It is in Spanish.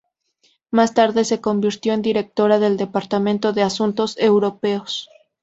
Más tarde se convirtió en directora del Departamento de Asuntos Europeos.